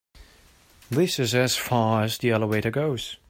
This is as far as the elevator goes.